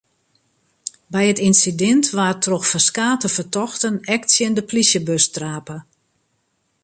By it ynsidint waard troch ferskate fertochten ek tsjin de polysjebus trape.